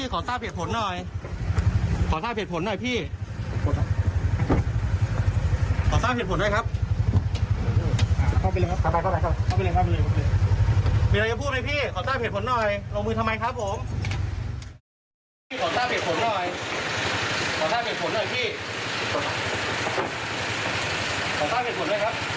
ขอต้าเผ็ดผลหน่อยลงมือทำไมครับผม